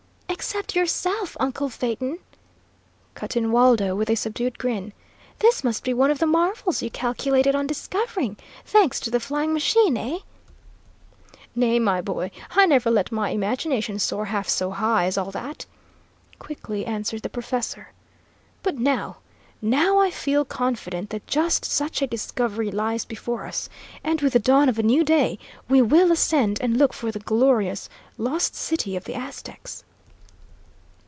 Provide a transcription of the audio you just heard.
"Except yourself, uncle Phaeton," cut in Waldo, with a subdued grin. "This must be one of the marvels you calculated on discovering, thanks to the flying machine, eh?" "Nay, my boy; I never let my imagination soar half so high as all that," quickly answered the professor. "But now now I feel confident that just such a discovery lies before us, and with the dawn of a new day we will ascend and look for the glorious 'Lost City of the Aztecs!'"